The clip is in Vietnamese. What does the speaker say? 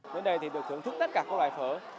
đến đây thì được thưởng thức tất cả các loại phở